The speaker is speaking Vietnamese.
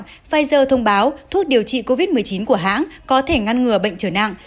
pfizer thông báo thuốc điều trị covid một mươi chín của hãng có thể ngăn ngừa bệnh trở nặng